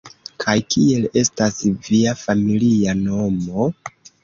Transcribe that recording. Kaj kiel estas via familia nomo?